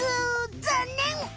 ざんねん！